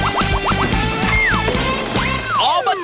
อบจภาษาโลก